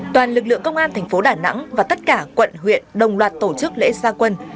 toàn lực lượng công an thành phố đà nẵng và tất cả quận huyện đồng loạt tổ chức lễ gia quân